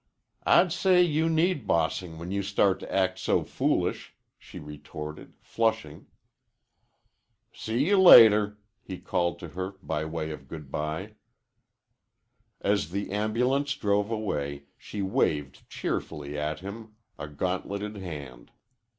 "I'd say you need bossing when you start to act so foolish," she retorted, flushing. "See you later," he called to her by way of good bye. As the ambulance drove away she waved cheerfully at him a gauntleted hand.